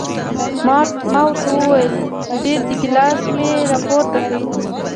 ما ورته وویل ډېر دي، ګیلاس مې را پورته کړ.